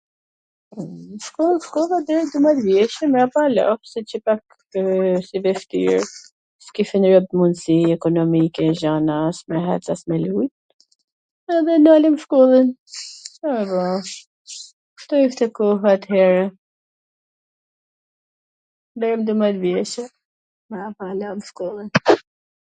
n shkoll shkova deri dymdhet vjeC, mbrapa e lash se qwka, wsht e veshtir, s'kisha njat mundsi ekonomike e gjana as me ec as me luj, edhe nalwm shkollwn, Ca me ba, kshtu ishte koha at-here, deri m dymet vjeCe, mrapa lam shkollwn